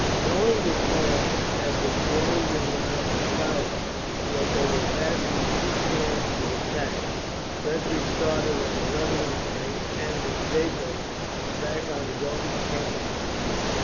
Knowing that Daun had been joined during the night by Loudon, and that they were vastly too strong to be attacked, Frederick started at eleven at night, and at daybreak was back on his old camping ground.